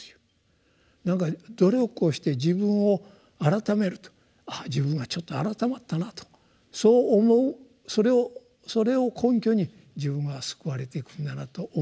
努力をして自分を改めると自分はちょっと改まったなとそう思うそれを根拠に自分は救われていくんだなと思いたい人もいるわけですね。